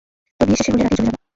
তোর বিয়ে শেষে হলে রাতেই চলে যাবো।